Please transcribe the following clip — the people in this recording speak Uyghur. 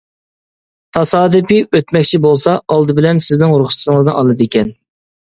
تاسادىپىي ئۆتمەكچى بولسا، ئالدى بىلەن سىزنىڭ رۇخسىتىڭىزنى ئالىدىكەن.